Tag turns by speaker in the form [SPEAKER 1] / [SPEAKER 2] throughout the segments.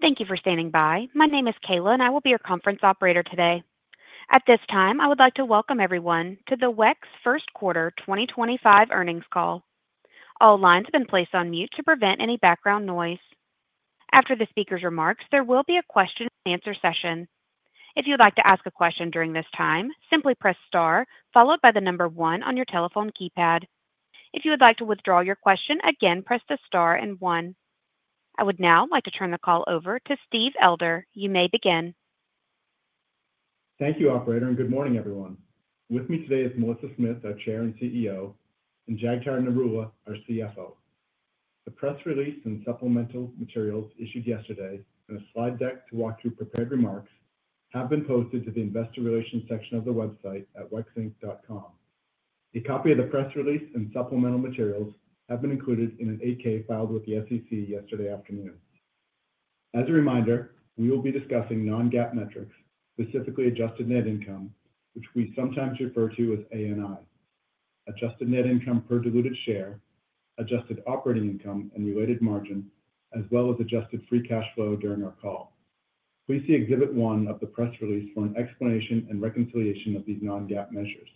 [SPEAKER 1] Thank you for standing by. My name is Kayla, and I will be your conference operator today. At this time, I would like to welcome everyone to the WEX First Quarter 2025 Earnings Call. All lines have been placed on mute to prevent any background noise. After the speaker's remarks, there will be a question-and-answer session. If you'd like to ask a question during this time, simply press star followed by the number one on your telephone keypad. If you would like to withdraw your question, again, press the star and one. I would now like to turn the call over to Steve Elder. You may begin.
[SPEAKER 2] Thank you, Operator, and good morning, everyone. With me today is Melissa Smith, our Chair and CEO, and Jagtar Narula, our CFO. The press release and supplemental materials issued yesterday, and a slide deck to walk through prepared remarks, have been posted to the investor relations section of the website at wexinc.com. A copy of the press release and supplemental materials have been included in an 8-K filed with the SEC yesterday afternoon. As a reminder, we will be discussing non-GAAP metrics, specifically adjusted net income, which we sometimes refer to as ANI, adjusted net income per diluted share, adjusted operating income and related margin, as well as adjusted free cash flow during our call. Please see Exhibit 1 of the press release for an explanation and reconciliation of these non-GAAP measures.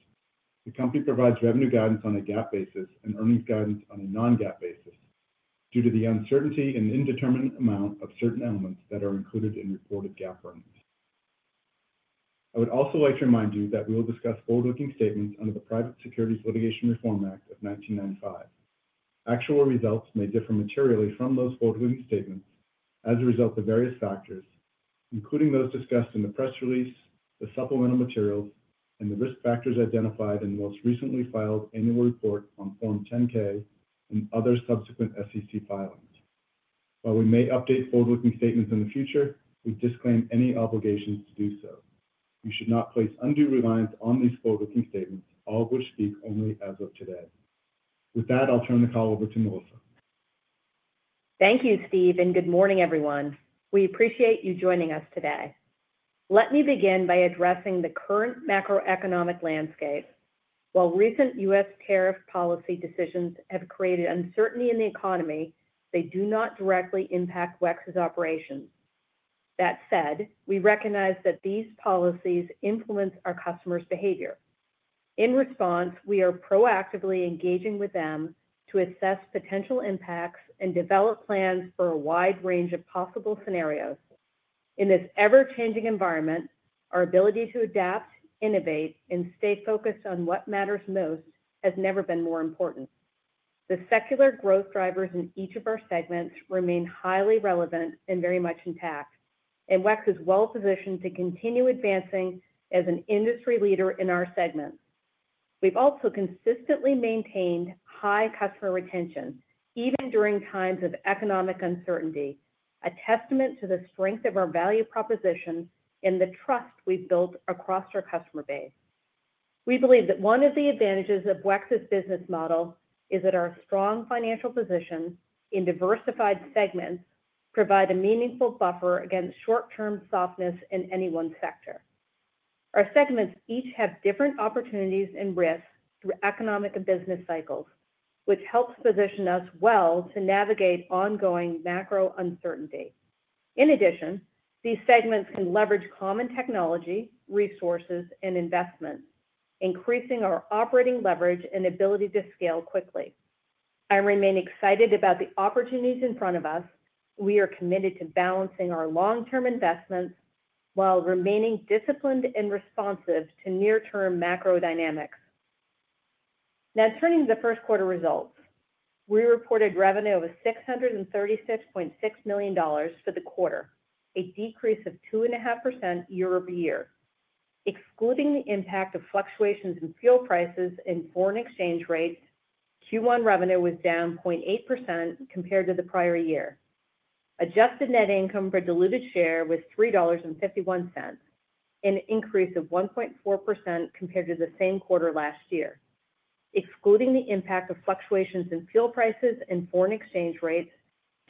[SPEAKER 2] The company provides revenue guidance on a GAAP basis and earnings guidance on a non-GAAP basis due to the uncertainty and indeterminate amount of certain elements that are included in reported GAAP earnings. I would also like to remind you that we will discuss forward-looking statements under the Private Securities Litigation Reform Act of 1995. Actual results may differ materially from those forward-looking statements as a result of various factors, including those discussed in the press release, the supplemental materials, and the risk factors identified in the most recently filed annual report on Form 10-K and other subsequent SEC filings. While we may update forward-looking statements in the future, we disclaim any obligations to do so. You should not place undue reliance on these forward-looking statements, all of which speak only as of today. With that, I'll turn the call over to Melissa.
[SPEAKER 3] Thank you, Steve, and good morning, everyone. We appreciate you joining us today. Let me begin by addressing the current macroeconomic landscape. While recent U.S. tariff policy decisions have created uncertainty in the economy, they do not directly impact WEX's operations. That said, we recognize that these policies influence our customers' behavior. In response, we are proactively engaging with them to assess potential impacts and develop plans for a wide range of possible scenarios. In this ever-changing environment, our ability to adapt, innovate, and stay focused on what matters most has never been more important. The secular growth drivers in each of our segments remain highly relevant and very much intact, and WEX is well-positioned to continue advancing as an industry leader in our segments. We've also consistently maintained high customer retention, even during times of economic uncertainty, a testament to the strength of our value proposition and the trust we've built across our customer base. We believe that one of the advantages of WEX's business model is that our strong financial positions in diversified segments provide a meaningful buffer against short-term softness in any one sector. Our segments each have different opportunities and risks through economic and business cycles, which helps position us well to navigate ongoing macro uncertainty. In addition, these segments can leverage common technology, resources, and investments, increasing our operating leverage and ability to scale quickly. I remain excited about the opportunities in front of us. We are committed to balancing our long-term investments while remaining disciplined and responsive to near-term macro dynamics. Now, turning to the first quarter results, we reported revenue of $636.6 million for the quarter, a decrease of 2.5% year-over-year. Excluding the impact of fluctuations in fuel prices and foreign exchange rates, Q1 revenue was down 0.8% compared to the prior year. Adjusted net income per diluted share was $3.51, an increase of 1.4% compared to the same quarter last year. Excluding the impact of fluctuations in fuel prices and foreign exchange rates,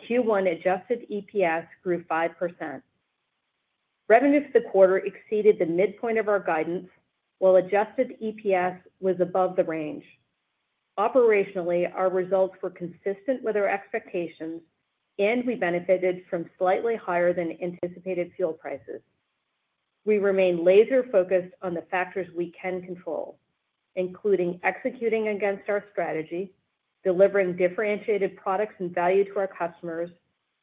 [SPEAKER 3] Q1 adjusted EPS grew 5%. Revenue for the quarter exceeded the midpoint of our guidance, while adjusted EPS was above the range. Operationally, our results were consistent with our expectations, and we benefited from slightly higher than anticipated fuel prices. We remain laser-focused on the factors we can control, including executing against our strategy, delivering differentiated products and value to our customers,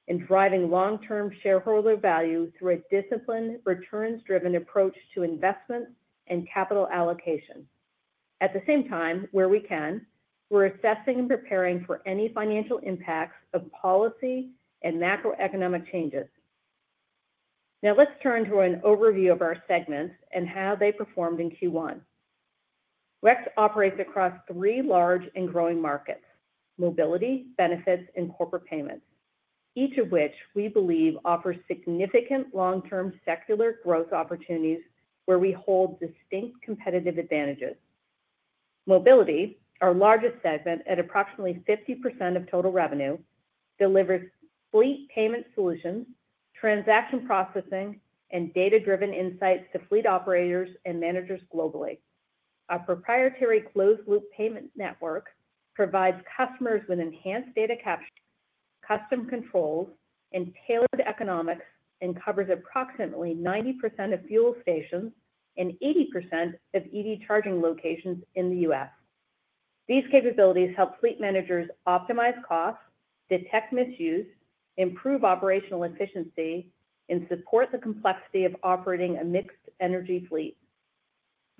[SPEAKER 3] and driving long-term shareholder value through a disciplined, returns-driven approach to investment and capital allocation. At the same time, where we can, we're assessing and preparing for any financial impacts of policy and macroeconomic changes. Now, let's turn to an overview of our segments and how they performed in Q1. WEX operates across three large and growing markets: mobility, benefits, and corporate payments, each of which we believe offers significant long-term secular growth opportunities where we hold distinct competitive advantages. Mobility, our largest segment at approximately 50% of total revenue, delivers fleet payment solutions, transaction processing, and data-driven insights to fleet operators and managers globally. Our proprietary closed-loop payment network provides customers with enhanced data capture, custom controls, and tailored economics, and covers approximately 90% of fuel stations and 80% of EV charging locations in the U.S. These capabilities help fleet managers optimize costs, detect misuse, improve operational efficiency, and support the complexity of operating a mixed-energy fleet.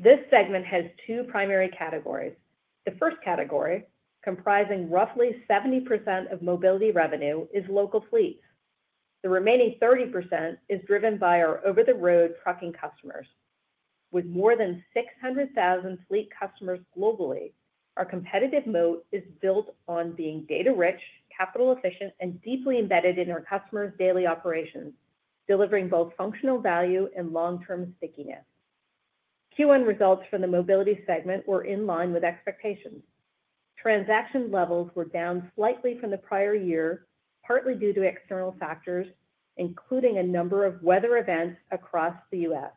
[SPEAKER 3] This segment has two primary categories. The first category, comprising roughly 70% of mobility revenue, is local fleets. The remaining 30% is driven by our over-the-road trucking customers. With more than 600,000 fleet customers globally, our competitive moat is built on being data-rich, capital-efficient, and deeply embedded in our customers' daily operations, delivering both functional value and long-term stickiness. Q1 results from the mobility segment were in line with expectations. Transaction levels were down slightly from the prior year, partly due to external factors, including a number of weather events across the U.S.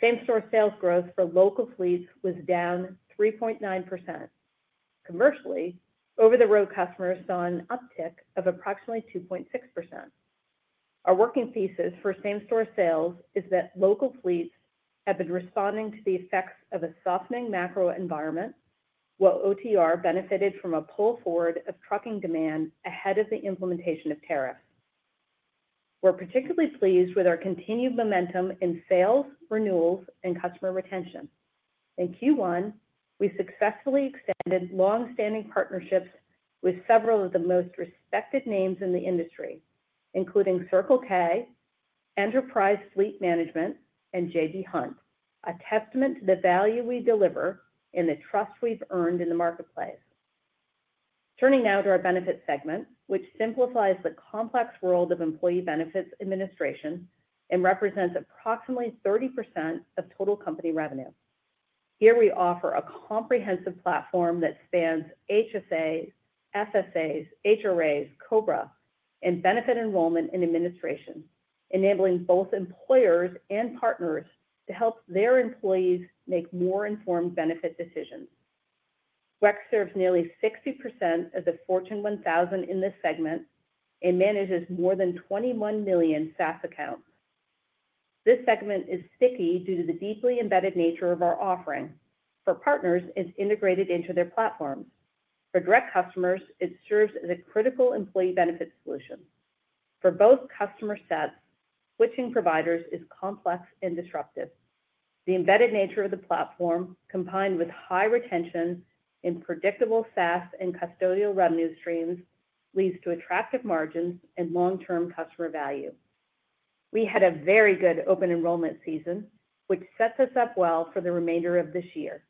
[SPEAKER 3] Same-store sales growth for local fleets was down 3.9%. Commercially, over-the-road customers saw an uptick of approximately 2.6%. Our working thesis for same-store sales is that local fleets have been responding to the effects of a softening macro environment, while OTR benefited from a pull forward of trucking demand ahead of the implementation of tariffs. We're particularly pleased with our continued momentum in sales, renewals, and customer retention. In Q1, we successfully extended long-standing partnerships with several of the most respected names in the industry, including Circle K, Enterprise Fleet Management, and J.B. Hunt, a testament to the value we deliver and the trust we've earned in the marketplace. Turning now to our benefits segment, which simplifies the complex world of employee benefits administration and represents approximately 30% of total company revenue. Here, we offer a comprehensive platform that spans HSAs, FSAs, HRAs, COBRA, and benefit enrollment and administration, enabling both employers and partners to help their employees make more informed benefit decisions. WEX serves nearly 60% of the Fortune 1000 in this segment and manages more than 21 million SaaS accounts. This segment is sticky due to the deeply embedded nature of our offering. For partners, it's integrated into their platforms. For direct customers, it serves as a critical employee benefit solution. For both customer sets, switching providers is complex and disruptive. The embedded nature of the platform, combined with high retention and predictable SaaS and custodial revenue streams, leads to attractive margins and long-term customer value. We had a very good open enrollment season, which sets us up well for the remainder of this year.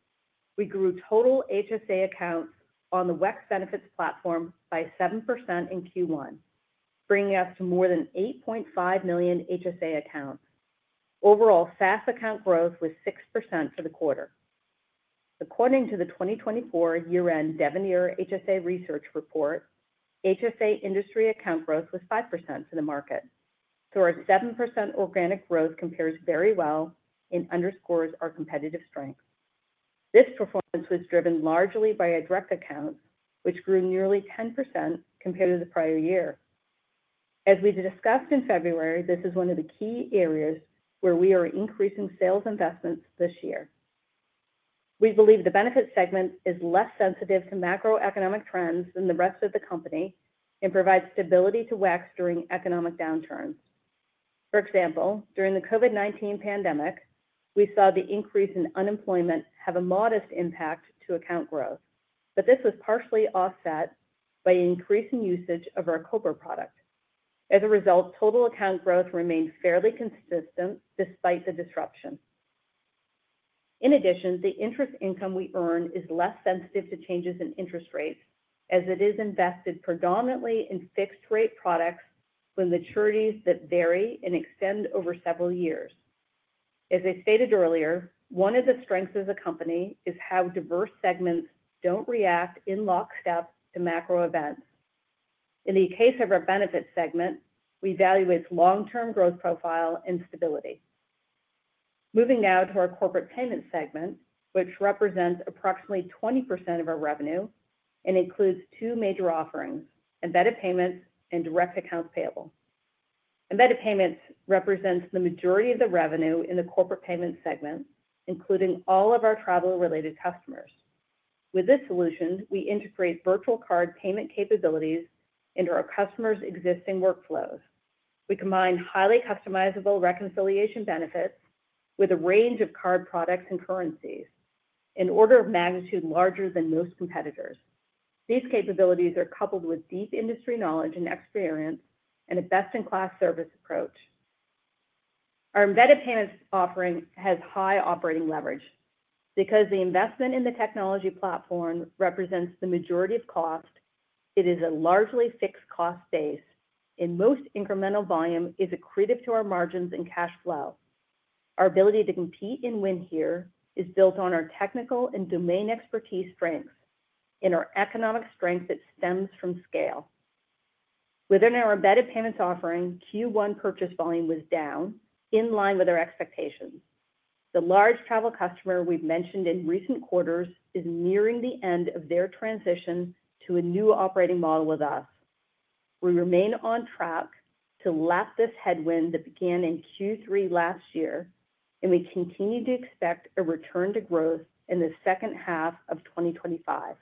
[SPEAKER 3] We grew total HSA accounts on the WEX Benefits platform by 7% in Q1, bringing us to more than 8.5 million HSA accounts. Overall, SaaS account growth was 6% for the quarter. According to the 2024 year-end Devenir HSA research report, HSA industry account growth was 5% for the market. Our 7% organic growth compares very well and underscores our competitive strength. This performance was driven largely by our direct accounts, which grew nearly 10% compared to the prior year. As we discussed in February, this is one of the key areas where we are increasing sales investments this year. We believe the benefits segment is less sensitive to macroeconomic trends than the rest of the company and provides stability to WEX during economic downturns. For example, during the COVID-19 pandemic, we saw the increase in unemployment have a modest impact on account growth, but this was partially offset by increasing usage of our COBRA product. As a result, total account growth remained fairly consistent despite the disruption. In addition, the interest income we earn is less sensitive to changes in interest rates as it is invested predominantly in fixed-rate products with maturities that vary and extend over several years. As I stated earlier, one of the strengths of the company is how diverse segments do not react in lockstep to macro events. In the case of our benefits segment, we value its long-term growth profile and stability. Moving now to our Corporate Payments segment, which represents approximately 20% of our revenue and includes two major offerings: embedded payments and direct accounts payable. Embedded payments represents the majority of the revenue in the Corporate Payments segment, including all of our travel-related customers. With this solution, we integrate virtual card payment capabilities into our customers' existing workflows. We combine highly customizable reconciliation benefits with a range of card products and currencies in order of magnitude larger than most competitors. These capabilities are coupled with deep industry knowledge and experience and a best-in-class service approach. Our embedded payments offering has high operating leverage. Because the investment in the technology platform represents the majority of cost, it is a largely fixed-cost base, and most incremental volume is accretive to our margins and cash flow. Our ability to compete and win here is built on our technical and domain expertise strengths and our economic strength that stems from scale. Within our embedded payments offering, Q1 purchase volume was down, in line with our expectations. The large travel customer we've mentioned in recent quarters is nearing the end of their transition to a new operating model with us. We remain on track to lap this headwind that began in Q3 last year, and we continue to expect a return to growth in the second half of 2025.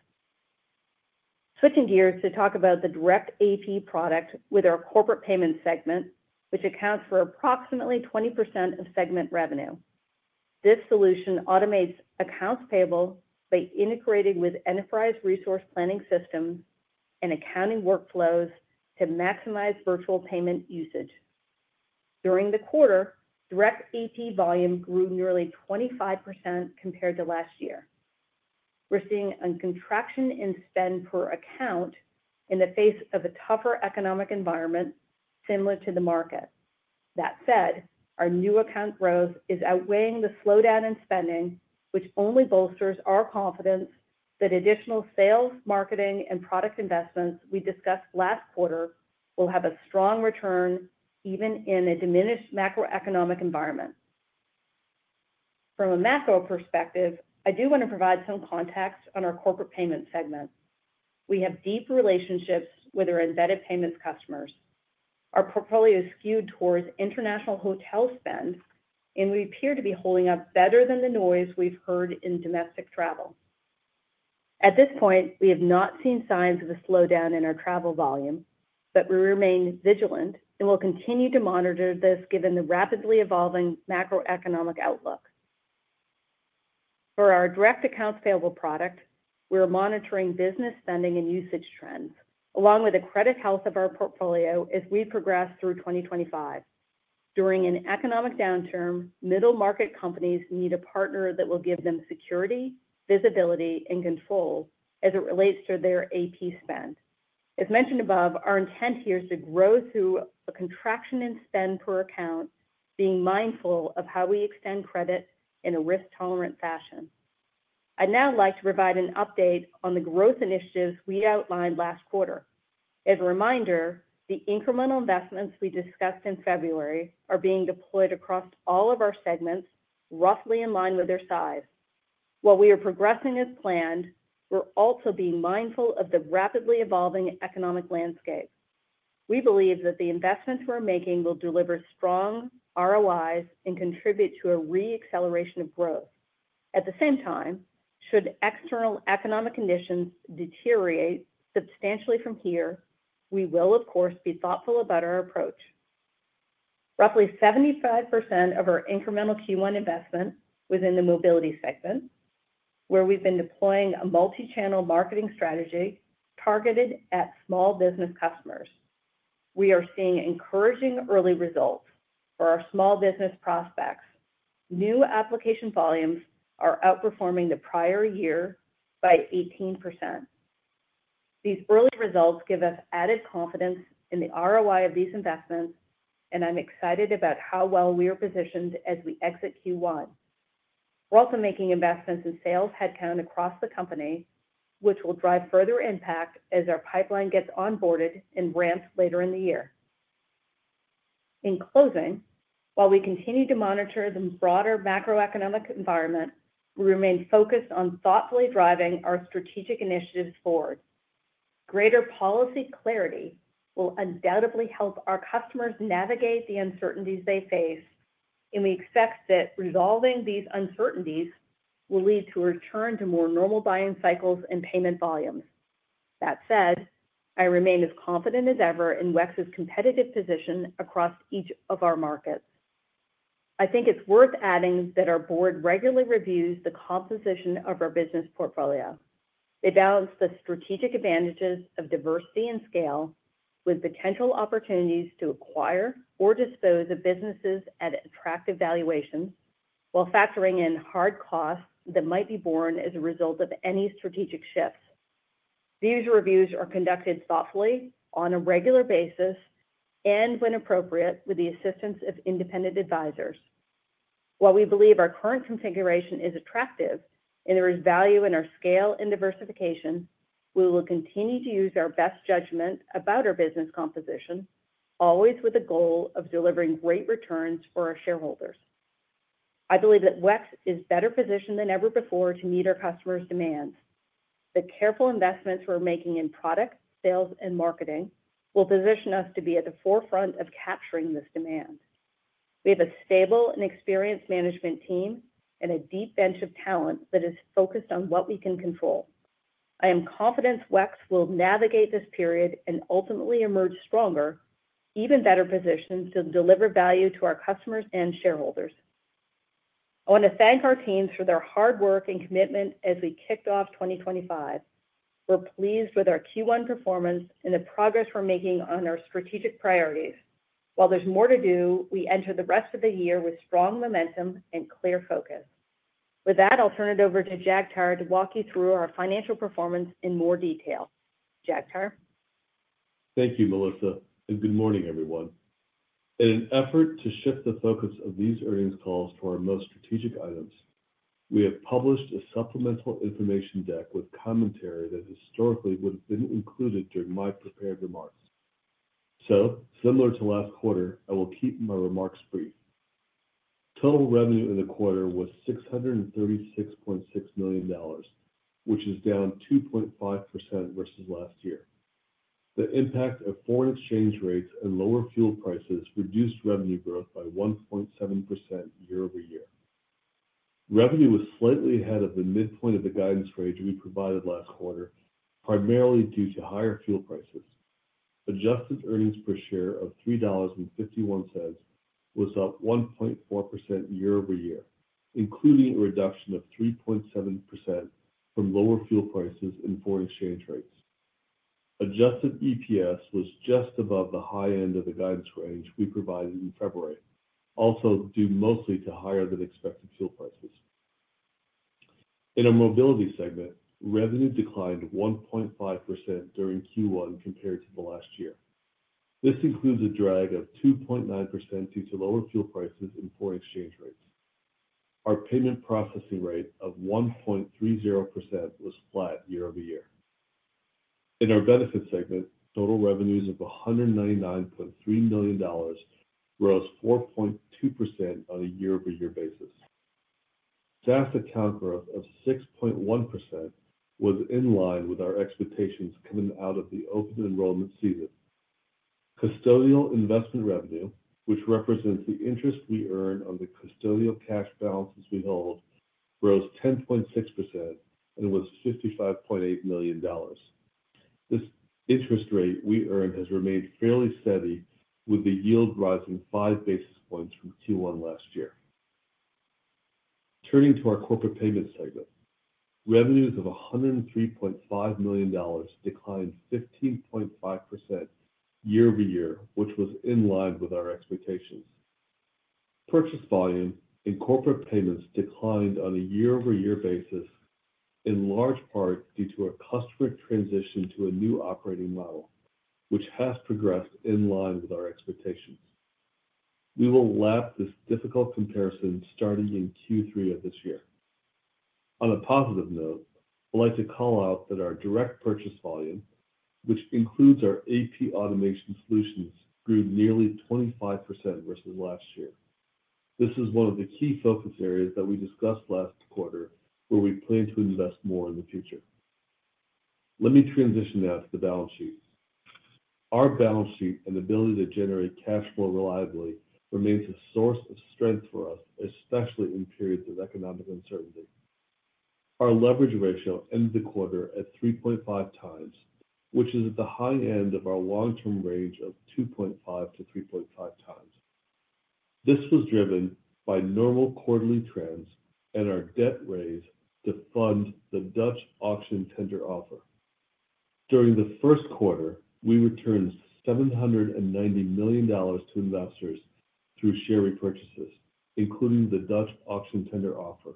[SPEAKER 3] Switching gears to talk about the direct AP product with our Corporate Payments segment, which accounts for approximately 20% of segment revenue. This solution automates accounts payable by integrating with enterprise resource planning systems and accounting workflows to maximize virtual payment usage. During the quarter, direct AP volume grew nearly 25% compared to last year. We're seeing a contraction in spend per account in the face of a tougher economic environment similar to the market. That said, our new account growth is outweighing the slowdown in spending, which only bolsters our confidence that additional sales, marketing, and product investments we discussed last quarter will have a strong return even in a diminished macroeconomic environment. From a macro perspective, I do want to provide some context on our Corporate Payments segment. We have deep relationships with our embedded payments customers. Our portfolio is skewed towards international hotel spend, and we appear to be holding up better than the noise we've heard in domestic travel. At this point, we have not seen signs of a slowdown in our travel volume, but we remain vigilant and will continue to monitor this given the rapidly evolving macroeconomic outlook. For our direct accounts payable product, we're monitoring business spending and usage trends, along with the credit health of our portfolio as we progress through 2025. During an economic downturn, middle-market companies need a partner that will give them security, visibility, and control as it relates to their AP spend. As mentioned above, our intent here is to grow through a contraction in spend per account, being mindful of how we extend credit in a risk-tolerant fashion. I'd now like to provide an update on the growth initiatives we outlined last quarter. As a reminder, the incremental investments we discussed in February are being deployed across all of our segments, roughly in line with their size. While we are progressing as planned, we're also being mindful of the rapidly evolving economic landscape. We believe that the investments we're making will deliver strong ROIs and contribute to a re-acceleration of growth. At the same time, should external economic conditions deteriorate substantially from here, we will, of course, be thoughtful about our approach. Roughly 75% of our incremental Q1 investment was in the mobility segment, where we've been deploying a multi-channel marketing strategy targeted at small business customers. We are seeing encouraging early results for our small business prospects. New application volumes are outperforming the prior year by 18%. These early results give us added confidence in the ROI of these investments, and I'm excited about how well we are positioned as we exit Q1. We're also making investments in sales headcount across the company, which will drive further impact as our pipeline gets onboarded and ramped later in the year. In closing, while we continue to monitor the broader macroeconomic environment, we remain focused on thoughtfully driving our strategic initiatives forward. Greater policy clarity will undoubtedly help our customers navigate the uncertainties they face, and we expect that resolving these uncertainties will lead to a return to more normal buying cycles and payment volumes. That said, I remain as confident as ever in WEX's competitive position across each of our markets. I think it's worth adding that our board regularly reviews the composition of our business portfolio. They balance the strategic advantages of diversity and scale with potential opportunities to acquire or dispose of businesses at attractive valuations, while factoring in hard costs that might be borne as a result of any strategic shifts. These reviews are conducted thoughtfully on a regular basis and when appropriate with the assistance of independent advisors. While we believe our current configuration is attractive and there is value in our scale and diversification, we will continue to use our best judgment about our business composition, always with the goal of delivering great returns for our shareholders. I believe that WEX is better positioned than ever before to meet our customers' demands. The careful investments we're making in product, sales, and marketing will position us to be at the forefront of capturing this demand. We have a stable and experienced management team and a deep bench of talent that is focused on what we can control. I am confident WEX will navigate this period and ultimately emerge stronger, even better positioned to deliver value to our customers and shareholders. I want to thank our teams for their hard work and commitment as we kicked off 2025. We're pleased with our Q1 performance and the progress we're making on our strategic priorities. While there's more to do, we enter the rest of the year with strong momentum and clear focus. With that, I'll turn it over to Jagtar to walk you through our financial performance in more detail. Jagtar?
[SPEAKER 4] Thank you, Melissa. Good morning, everyone. In an effort to shift the focus of these earnings calls to our most strategic items, we have published a supplemental information deck with commentary that historically would have been included during my prepared remarks. Similar to last quarter, I will keep my remarks brief. Total revenue in the quarter was $636.6 million, which is down 2.5% versus last year. The impact of foreign exchange rates and lower fuel prices reduced revenue growth by 1.7% year-over-year. Revenue was slightly ahead of the midpoint of the guidance range we provided last quarter, primarily due to higher fuel prices. Adjusted earnings per share of $3.51 was up 1.4% year-over-year, including a reduction of 3.7% from lower fuel prices and foreign exchange rates. Adjusted EPS was just above the high end of the guidance range we provided in February, also due mostly to higher-than-expected fuel prices. In our mobility segment, revenue declined 1.5% during Q1 compared to the last year. This includes a drag of 2.9% due to lower fuel prices and foreign exchange rates. Our payment processing rate of 1.30% was flat year-over-year. In our benefits segment, total revenues of $199.3 million grossed 4.2% on a year-over-year basis. SaaS account growth of 6.1% was in line with our expectations coming out of the open enrollment season. Custodial investment revenue, which represents the interest we earn on the custodial cash balances we hold, grossed 10.6% and was $55.8 million. This interest rate we earned has remained fairly steady, with the yield rising five basis points from Q1 last year. Turning to our Corporate Payments segment, revenues of $103.5 million declined 15.5% year-over-year, which was in line with our expectations. Purchase volume and corporate payments declined on a year-over-year basis, in large part due to our customer transition to a new operating model, which has progressed in line with our expectations. We will wrap this difficult comparison starting in Q3 of this year. On a positive note, I'd like to call out that our direct purchase volume, which includes our AP automation solutions, grew nearly 25% versus last year. This is one of the key focus areas that we discussed last quarter, where we plan to invest more in the future. Let me transition now to the balance sheet. Our balance sheet and ability to generate cash flow reliably remains a source of strength for us, especially in periods of economic uncertainty. Our leverage ratio ended the quarter at 3.5 times, which is at the high end of our long-term range of 2.5 to 3.5 times. This was driven by normal quarterly trends and our debt raise to fund the Dutch auction tender offer. During the first quarter, we returned $790 million to investors through share repurchases, including the Dutch auction tender offer,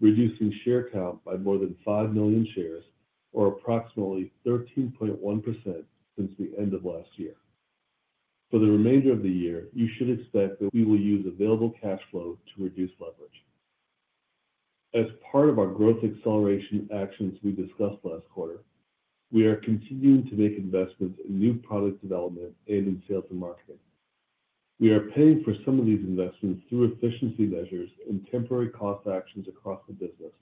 [SPEAKER 4] reducing share count by more than 5 million shares, or approximately 13.1% since the end of last year. For the remainder of the year, you should expect that we will use available cash flow to reduce leverage. As part of our growth acceleration actions we discussed last quarter, we are continuing to make investments in new product development and in sales and marketing. We are paying for some of these investments through efficiency measures and temporary cost actions across the business.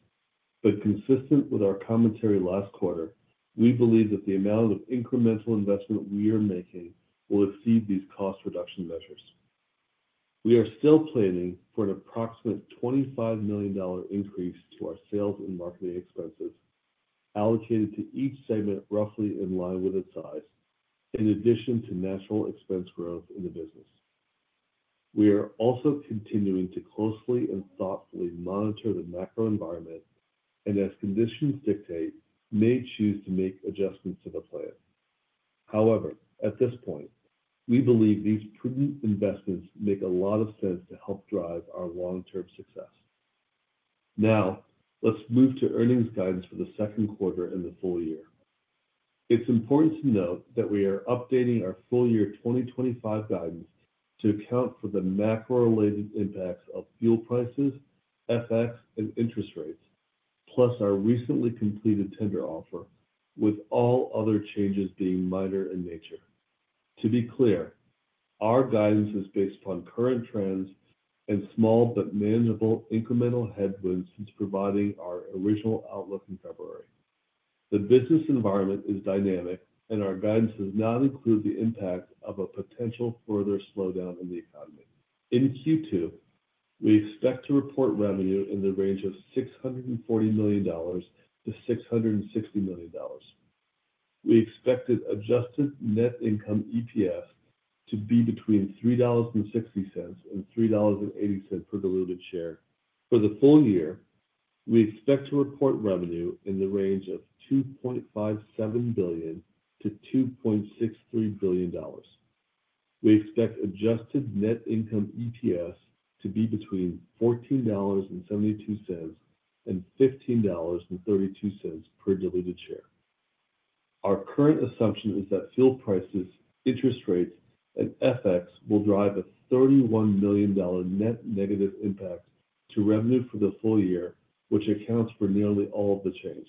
[SPEAKER 4] Consistent with our commentary last quarter, we believe that the amount of incremental investment we are making will exceed these cost reduction measures. We are still planning for an approximate $25 million increase to our sales and marketing expenses, allocated to each segment roughly in line with its size, in addition to natural expense growth in the business. We are also continuing to closely and thoughtfully monitor the macro environment, and as conditions dictate, may choose to make adjustments to the plan. However, at this point, we believe these prudent investments make a lot of sense to help drive our long-term success. Now, let's move to earnings guidance for the second quarter and the full-year. It's important to note that we are updating our 2025 guidance to account for the macro-related impacts of fuel prices, FX, and interest rates, plus our recently completed tender offer, with all other changes being minor in nature. To be clear, our guidance is based upon current trends and small but manageable incremental headwinds since providing our original outlook in February. The business environment is dynamic, and our guidance does not include the impact of a potential further slowdown in the economy. In Q2, we expect to report revenue in the range of $640 to 660 million. We expected adjusted net income EPS to be between $3.60 and $3.80 per diluted share. For the full-year, we expect to report revenue in the range of $2.57 to 2.63 billion. We expect adjusted net income EPS to be between $14.72 and $15.32 per diluted share. Our current assumption is that fuel prices, interest rates, and FX will drive a $31 million net negative impact to revenue for the full-year, which accounts for nearly all of the change.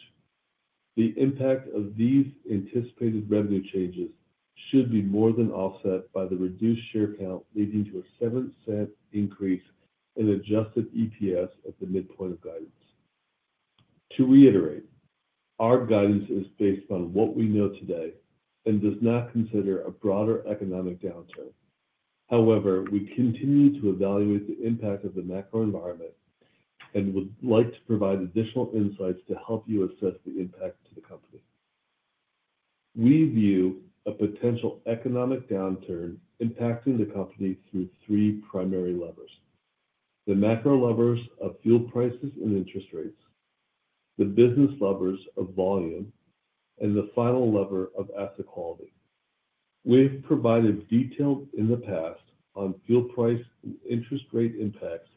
[SPEAKER 4] The impact of these anticipated revenue changes should be more than offset by the reduced share count, leading to a 7% increase in adjusted EPS at the midpoint of guidance. To reiterate, our guidance is based on what we know today and does not consider a broader economic downturn. However, we continue to evaluate the impact of the macro environment and would like to provide additional insights to help you assess the impact to the company. We view a potential economic downturn impacting the company through three primary levers: the macro levers of fuel prices and interest rates, the business levers of volume, and the final lever of asset quality. We have provided detail in the past on fuel price and interest rate impacts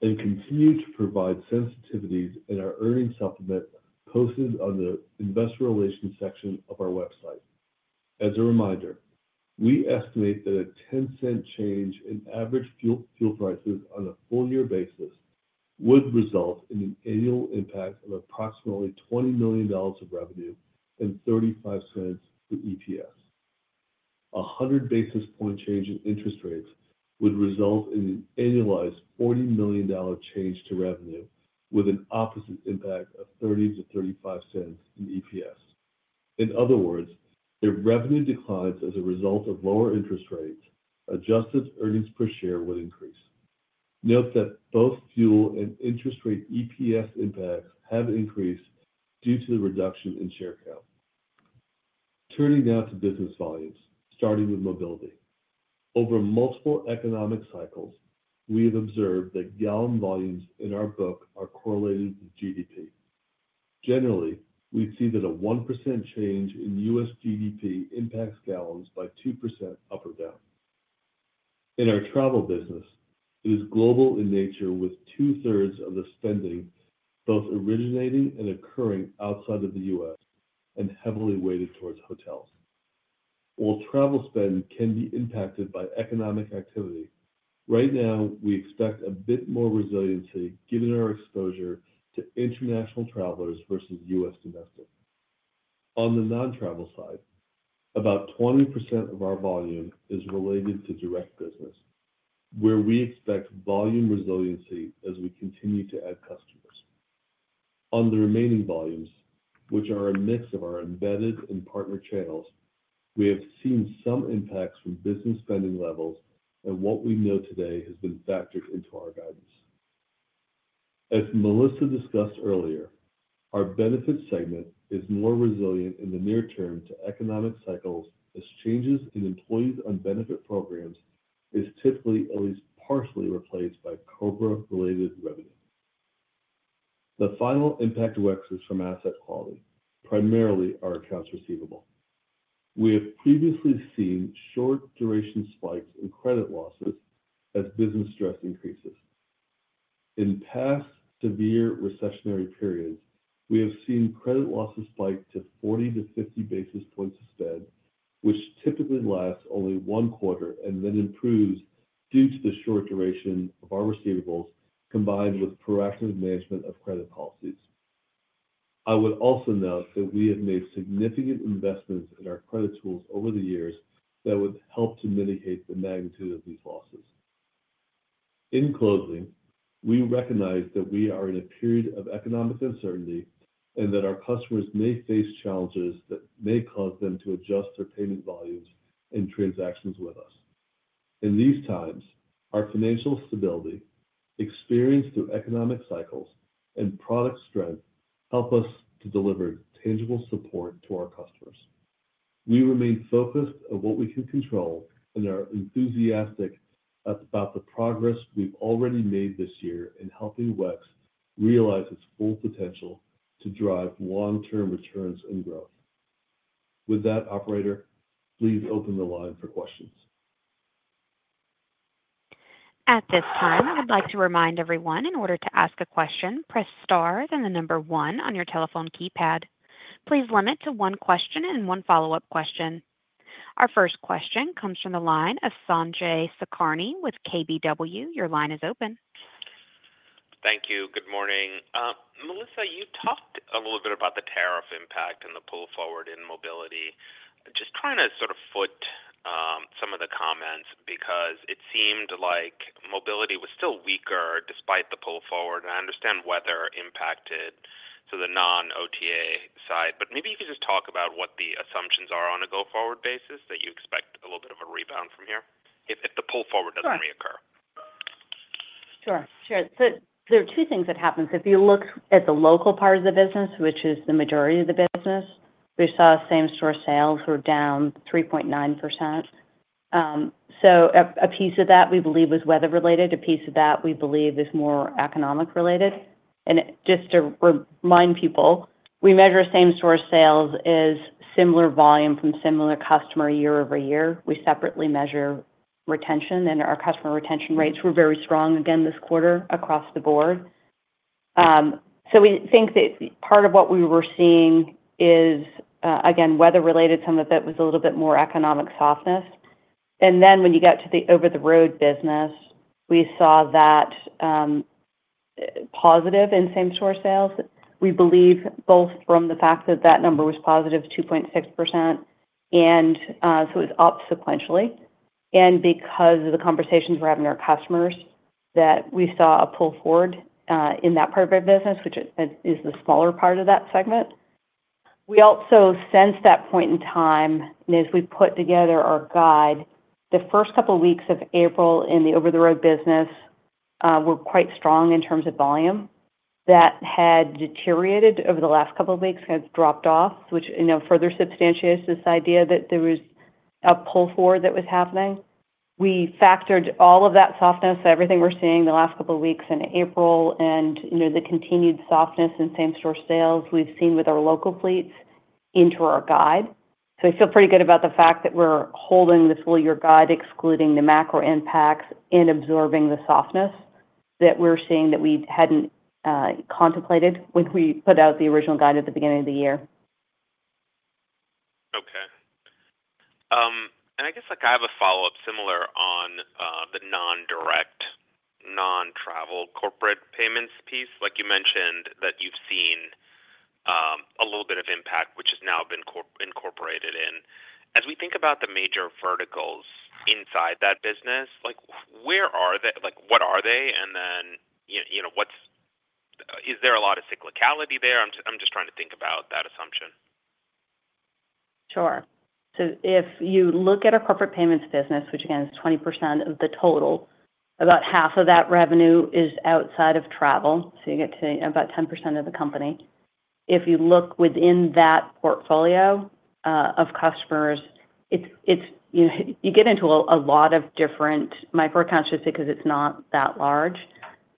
[SPEAKER 4] and continue to provide sensitivities in our earnings supplement posted on the investor relations section of our website. As a reminder, we estimate that a 10-cent change in average fuel prices on a full-year basis would result in an annual impact of approximately $20 million of revenue and $0.35 for EPS. A 100-basis-point change in interest rates would result in an annualized $40 million change to revenue, with an opposite impact of $0.30 to $0.35 in EPS. In other words, if revenue declines as a result of lower interest rates, adjusted earnings per share would increase. Note that both fuel and interest rate EPS impacts have increased due to the reduction in share count. Turning now to business volumes, starting with mobility. Over multiple economic cycles, we have observed that gallon volumes in our book are correlated with GDP. Generally, we see that a 1% change in U.S. GDP impacts gallons by 2% up or down. In our travel business, it is global in nature, with two-thirds of the spending both originating and occurring outside of the U.S. and heavily weighted towards hotels. While travel spend can be impacted by economic activity, right now we expect a bit more resiliency given our exposure to international travelers versus U.S. domestic. On the non-travel side, about 20% of our volume is related to direct business, where we expect volume resiliency as we continue to add customers. On the remaining volumes, which are a mix of our embedded and partner channels, we have seen some impacts from business spending levels and what we know today has been factored into our guidance. As Melissa discussed earlier, our benefits segment is more resilient in the near term to economic cycles as changes in employees' benefit programs are typically at least partially replaced by COBRA-related revenue. The final impact for WEX is from asset quality, primarily our accounts receivable. We have previously seen short-duration spikes in credit losses as business stress increases. In past severe recessionary periods, we have seen credit losses spike to 40 to 50 basis points of spend, which typically lasts only one quarter and then improves due to the short duration of our receivables combined with proactive management of credit policies. I would also note that we have made significant investments in our credit tools over the years that would help to mitigate the magnitude of these losses. In closing, we recognize that we are in a period of economic uncertainty and that our customers may face challenges that may cause them to adjust their payment volumes and transactions with us. In these times, our financial stability, experience through economic cycles, and product strength help us to deliver tangible support to our customers. We remain focused on what we can control and are enthusiastic about the progress we've already made this year in helping WEX realize its full potential to drive long-term returns and growth. With that, Operator, please open the line for questions.
[SPEAKER 1] At this time, I would like to remind everyone in order to ask a question, press star then the number one on your telephone keypad. Please limit to one question and one follow-up question. Our first question comes from the line of Sanjay Sakhrani with KBW. Your line is open.
[SPEAKER 5] Thank you. Good morning. Melissa, you talked a little bit about the tariff impact and the pull forward in mobility. Just trying to sort of foot some of the comments because it seemed like mobility was still weaker despite the pull forward. I understand weather impacted the non-OTA side. Maybe you could just talk about what the assumptions are on a go-forward basis that you expect a little bit of a rebound from here if the pull forward doesn't reoccur.
[SPEAKER 3] Sure. There are two things that happen. If you look at the local part of the business, which is the majority of the business, we saw same-store sales were down 3.9%. A piece of that we believe was weather-related. A piece of that we believe is more economic-related. Just to remind people, we measure same-store sales as similar volume from similar customer year-over-year. We separately measure retention, and our customer retention rates were very strong again this quarter across the board. We think that part of what we were seeing is, again, weather-related. Some of it was a little bit more economic softness. When you got to the over-the-road business, we saw that positive in same-store sales. We believe both from the fact that that number was positive, 2.6%, and it was up sequentially. Because of the conversations we're having with our customers, we saw a pull forward in that part of our business, which is the smaller part of that segment. We also sensed that point in time as we put together our guide. The first couple of weeks of April in the over-the-road business were quite strong in terms of volume. That had deteriorated over the last couple of weeks and had dropped off, which further substantiates this idea that there was a pull forward that was happening. We factored all of that softness, everything we're seeing the last couple of weeks in April, and the continued softness in same-store sales we've seen with our local fleets into our guide. I feel pretty good about the fact that we're holding the full-year guide, excluding the macro impacts and absorbing the softness that we're seeing that we hadn't contemplated when we put out the original guide at the beginning of the year.
[SPEAKER 5] Okay. I guess I have a follow-up similar on the non-direct, non-travel corporate payments piece. You mentioned that you've seen a little bit of impact, which has now been incorporated in. As we think about the major verticals inside that business, where are they? What are they? Is there a lot of cyclicality there? I'm just trying to think about that assumption.
[SPEAKER 3] Sure. If you look at our corporate payments business, which again is 20% of the total, about half of that revenue is outside of travel. You get to about 10% of the company. If you look within that portfolio of customers, you get into a lot of different micro accounts just because it's not that large.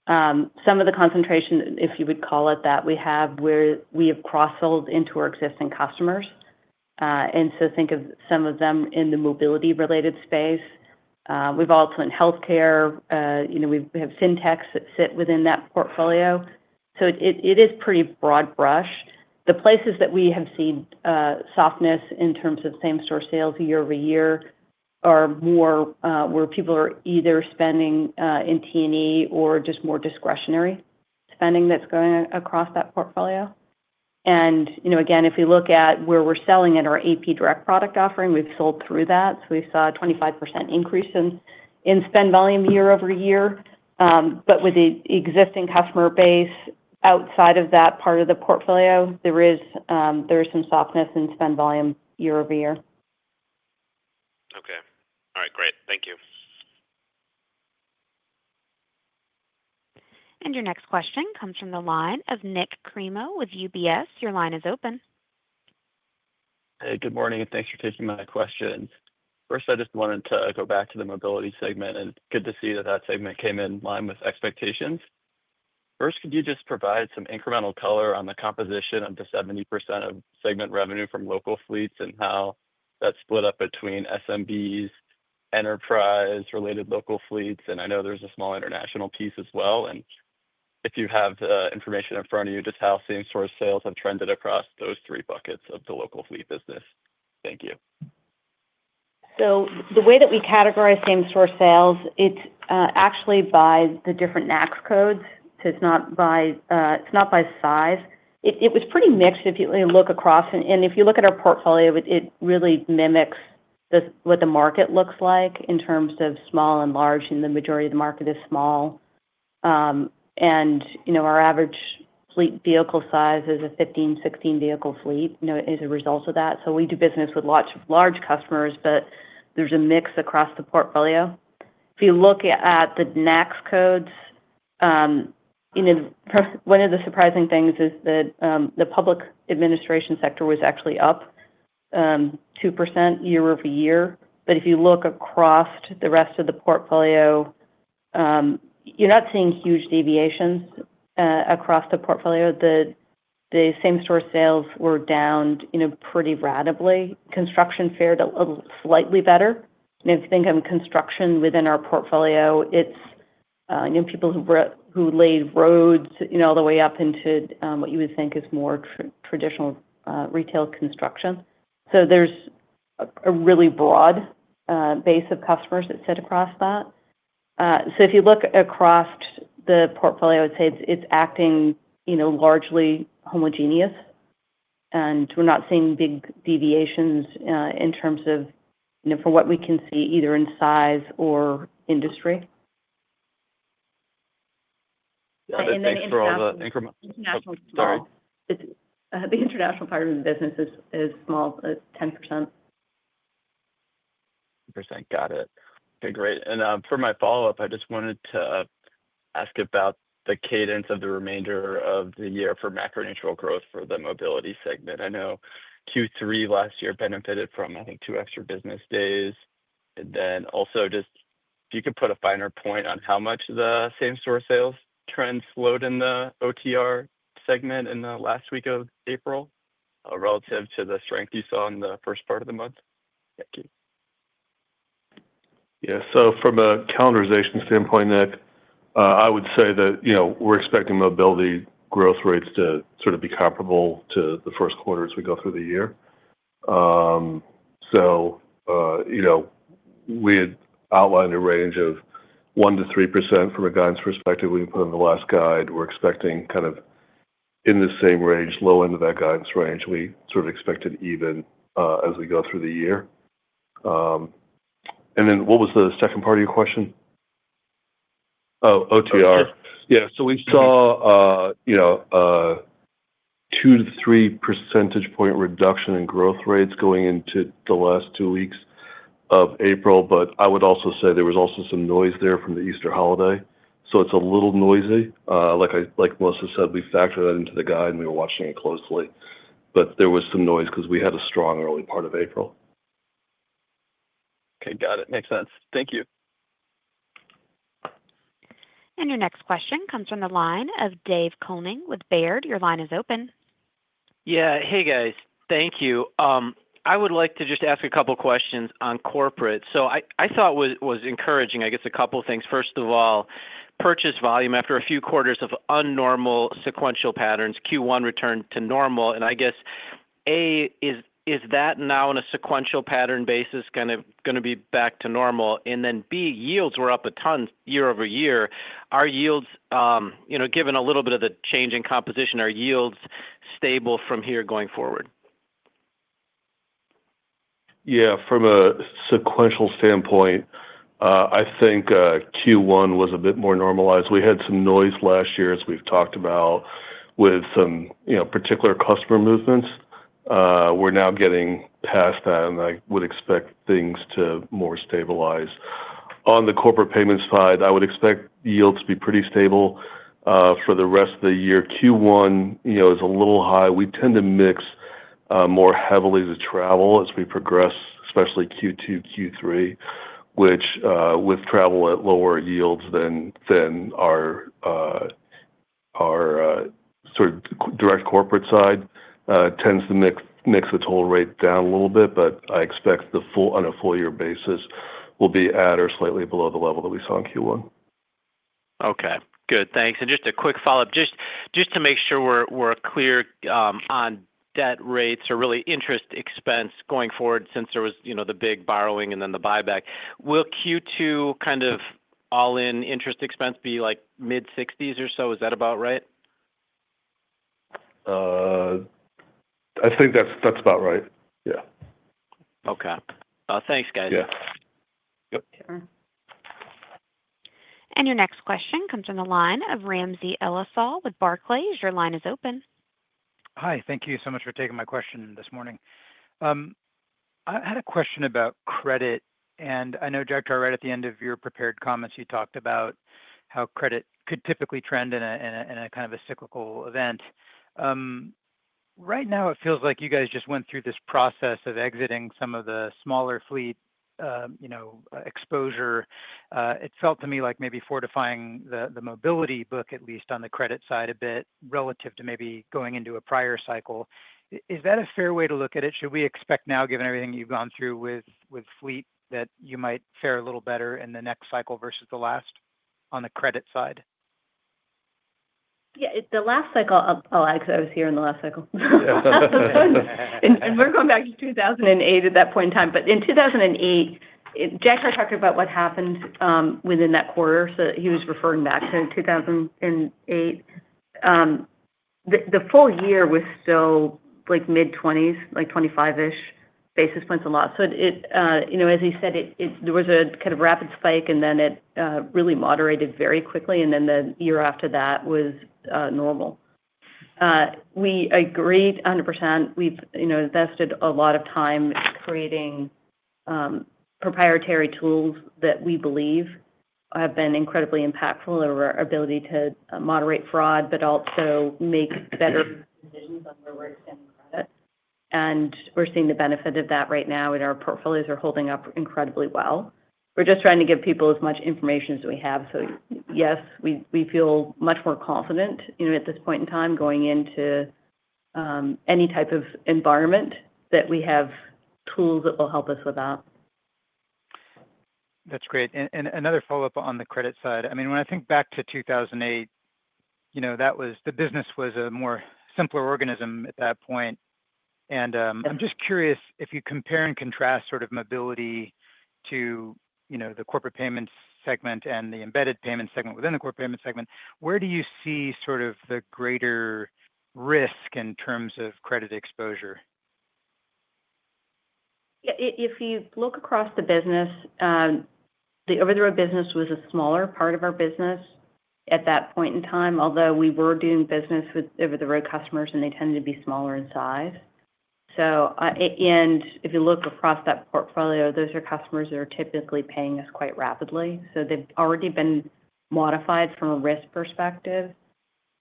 [SPEAKER 3] Some of the concentration, if you would call it that, we have where we have cross-sold into our existing customers. Think of some of them in the mobility-related space. We've also in healthcare. We have fintechs that sit within that portfolio. It is pretty broad brush. The places that we have seen softness in terms of same-store sales year-over-year are more where people are either spending in T&E or just more discretionary spending that's going across that portfolio. Again, if we look at where we're selling at our AP direct product offering, we've sold through that. We saw a 25% increase in spend volume year-over-year. With the existing customer base outside of that part of the portfolio, there is some softness in spend volume year-over-year.
[SPEAKER 5] Okay. All right. Great. Thank you.
[SPEAKER 1] Your next question comes from the line of Nik Cremo with UBS. Your line is open.
[SPEAKER 6] Hey, good morning. Thanks for taking my question. First, I just wanted to go back to the Mobility segment, and it's good to see that that segment came in line with expectations. First, could you just provide some incremental color on the composition of the 70% of segment revenue from local fleets and how that's split up between SMBs, enterprise-related local fleets? I know there's a small international piece as well. If you have the information in front of you, just how same-store sales have trended across those three buckets of the local fleet business. Thank you.
[SPEAKER 3] The way that we categorize same-store sales, it's actually by the different NAICS codes. It's not by size. It was pretty mixed if you look across. If you look at our portfolio, it really mimics what the market looks like in terms of small and large, and the majority of the market is small. Our average fleet vehicle size is a 15, 16-vehicle fleet as a result of that. We do business with large customers, but there's a mix across the portfolio. If you look at the NAICS codes, one of the surprising things is that the public administration sector was actually up 2% year-over-year. If you look across the rest of the portfolio, you're not seeing huge deviations across the portfolio. The same-store sales were down pretty radically. Construction fared a little slightly better. If you think of construction within our portfolio, it's people who laid roads all the way up into what you would think is more traditional retail construction. There's a really broad base of customers that sit across that. If you look across the portfolio, I would say it's acting largely homogeneous. We're not seeing big deviations in terms of from what we can see either in size or industry. In terms of the international part of the business, it is small, 10%.
[SPEAKER 6] Appreciate. Got it. Okay. Great. For my follow-up, I just wanted to ask about the cadence of the remainder of the year for macro-neutral growth for the Mobility segment. I know Q3 last year benefited from, I think, two extra business days. Also, if you could put a finer point on how much the same-store sales trend slowed in the OTR segment in the last week of April relative to the strength you saw in the first part of the month. Thank you.
[SPEAKER 4] Yeah. From a calendarization standpoint, Nik, I would say that we're expecting mobility growth rates to sort of be comparable to the first quarter as we go through the year. We had outlined a range of 1% to 3% from a guidance perspective we put in the last guide. We're expecting kind of in the same range, low end of that guidance range. We sort of expected even as we go through the year. What was the second part of your question?
[SPEAKER 6] OTR.
[SPEAKER 4] Yeah. We saw a 2 to 3 percentage point reduction in growth rates going into the last two weeks of April. I would also say there was also some noise there from the Easter holiday. It's a little noisy. Like Melissa said, we factored that into the guide, and we were watching it closely. There was some noise because we had a strong early part of April.
[SPEAKER 6] Okay. Got it. Makes sense. Thank you.
[SPEAKER 1] Your next question comes from the line of Dave Koning with Baird. Your line is open.
[SPEAKER 7] Yeah. Hey, guys. Thank you. I would like to just ask a couple of questions on corporate. I thought it was encouraging, I guess, a couple of things. First of all, purchase volume after a few quarters of unnormal sequential patterns, Q1 returned to normal. I guess, A, is that now on a sequential pattern basis kind of going to be back to normal? B, yields were up a ton year-over-year. Are yields, given a little bit of the change in composition, are yields stable from here going forward?
[SPEAKER 4] Yeah. From a sequential standpoint, I think Q1 was a bit more normalized. We had some noise last year, as we've talked about, with some particular customer movements. We're now getting past that, and I would expect things to more stabilize. On the corporate payments side, I would expect yields to be pretty stable for the rest of the year. Q1 is a little high. We tend to mix more heavily the travel as we progress, especially Q2, Q3, which with travel at lower yields than our sort of direct corporate side tends to mix the total rate down a little bit. I expect on a full-year basis, we'll be at or slightly below the level that we saw in Q1.
[SPEAKER 7] Okay. Good. Thanks. Just a quick follow-up, just to make sure we're clear on debt rates or really interest expense going forward since there was the big borrowing and then the buyback. Will Q2 kind of all-in interest expense be like mid-60s or so? Is that about right?
[SPEAKER 4] I think that's about right. Yeah.
[SPEAKER 7] Okay. Thanks, guys.
[SPEAKER 4] Yeah. Yep.
[SPEAKER 1] Your next question comes from the line of Ramsey El-Assal with Barclays. Your line is open.
[SPEAKER 8] Hi. Thank you so much for taking my question this morning. I had a question about credit. I know, Jagtar, right at the end of your prepared comments, you talked about how credit could typically trend in a kind of a cyclical event. Right now, it feels like you guys just went through this process of exiting some of the smaller fleet exposure. It felt to me like maybe fortifying the mobility book, at least on the credit side a bit, relative to maybe going into a prior cycle. Is that a fair way to look at it? Should we expect now, given everything you've gone through with fleet, that you might fare a little better in the next cycle versus the last on the credit side?
[SPEAKER 3] Yeah. The last cycle, I'll add, because I was here in the last cycle. We are going back to 2008 at that point in time. In 2008, Jagtar had talked about what happened within that quarter. He was referring back to 2008. The full-year was still mid-20s, like 25-ish basis points a lot. As he said, there was a kind of rapid spike, and it really moderated very quickly. The year after that was normal. We agreed 100%. We've invested a lot of time creating proprietary tools that we believe have been incredibly impactful in our ability to moderate fraud, but also make better decisions on where we're extending credit. We are seeing the benefit of that right now, and our portfolios are holding up incredibly well. We are just trying to give people as much information as we have. Yes, we feel much more confident at this point in time going into any type of environment that we have tools that will help us with that.
[SPEAKER 8] That's great. Another follow-up on the credit side. I mean, when I think back to 2008, the business was a more simple organism at that point. I'm just curious if you compare and contrast sort of Mobility to the Corporate Payments segment and the embedded payments segment within the Corporate Payments segment, where do you see sort of the greater risk in terms of credit exposure?
[SPEAKER 3] Yeah. If you look across the business, the over-the-road business was a smaller part of our business at that point in time, although we were doing business with over-the-road customers, and they tended to be smaller in size. If you look across that portfolio, those are customers that are typically paying us quite rapidly. They have already been modified from a risk perspective.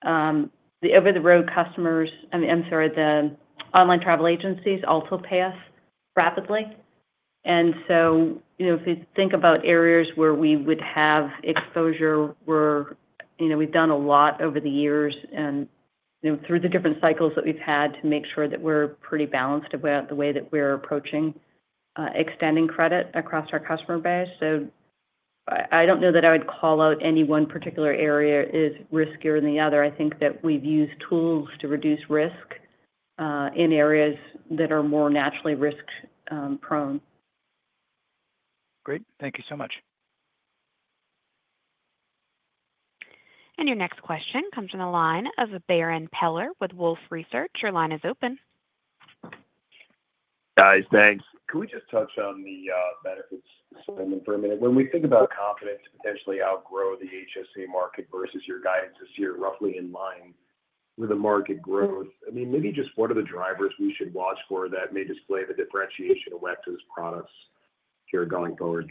[SPEAKER 3] The over-the-road customers, I am sorry, the online travel agencies, also pay us rapidly. If you think about areas where we would have exposure, we have done a lot over the years and through the different cycles that we have had to make sure that we are pretty balanced about the way that we are approaching extending credit across our customer base. I do not know that I would call out any one particular area as riskier than the other. I think that we have used tools to reduce risk in areas that are more naturally risk-prone.
[SPEAKER 8] Great. Thank you so much.
[SPEAKER 1] Your next question comes from the line of Darrin Peller with Wolfe Research. Your line is open.
[SPEAKER 9] Guys, thanks. Can we just touch on the benefits segment for a minute? When we think about confidence to potentially outgrow the HSA market versus your guidance this year, roughly in line with the market growth, I mean, maybe just what are the drivers we should watch for that may display the differentiation of WEX's products here going forward?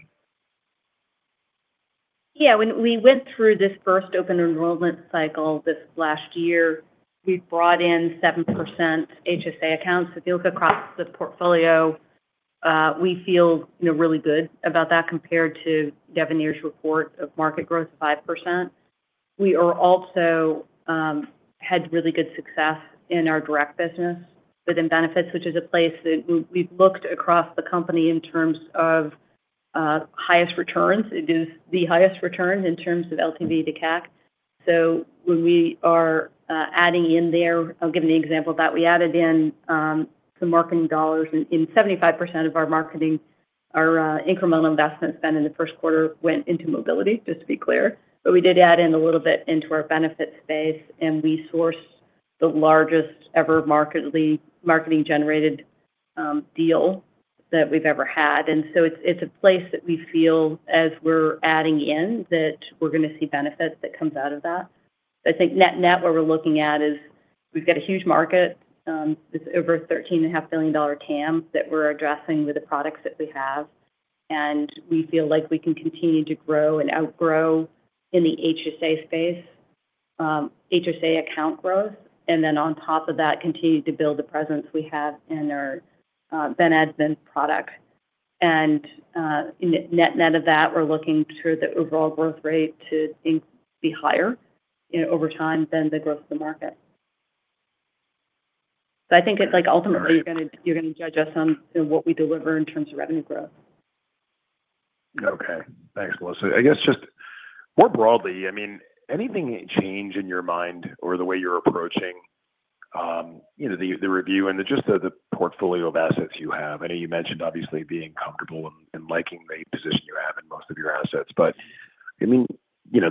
[SPEAKER 3] Yeah. When we went through this first open enrollment cycle this last year, we brought in 7% HSA accounts. If you look across the portfolio, we feel really good about that compared to Devenir report of market growth of 5%. We also had really good success in our direct business within benefits, which is a place that we've looked across the company in terms of highest returns. It is the highest return in terms of LTV to CAC. So when we are adding in there, I'll give an example of that. We added in some marketing dollars, and 75% of our incremental investment spend in the first quarter went into mobility, just to be clear. We did add in a little bit into our benefits space, and we sourced the largest ever marketing-generated deal that we've ever had. It is a place that we feel, as we're adding in, that we're going to see benefits that come out of that. I think net-net, what we're looking at is we've got a huge market. It's over a $13.5 billion TAM that we're addressing with the products that we have. We feel like we can continue to grow and outgrow in the HSA space, HSA account growth, and then on top of that, continue to build the presence we have in our Ben Admin product. Net-net of that, we're looking to the overall growth rate to be higher over time than the growth of the market. I think ultimately, you're going to judge us on what we deliver in terms of revenue growth.
[SPEAKER 9] Okay. Thanks, Melissa. I guess just more broadly, I mean, anything change in your mind or the way you're approaching the review and just the portfolio of assets you have? I know you mentioned, obviously, being comfortable and liking the position you have in most of your assets. I mean,